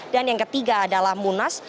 dan yang ketiga adalah munas